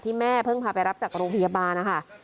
แม่เพิ่งพาไปรับจากโรงพยาบาลนะคะ